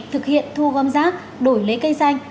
thực hiện thu gom rác đổi lấy cây xanh